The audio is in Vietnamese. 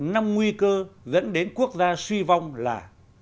năm nguy cơ dẫn đến quốc gia suy vong là